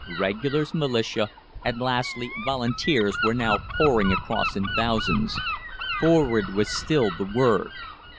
"Regulars, Militia, and, lastly, Volunteers, were now pouring across in thousands. Forward was still the word.